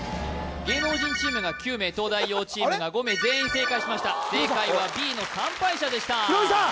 芸能人チームが９名東大王チームが５名全員正解しました正解はＢの参拝者でしたヒロミさん！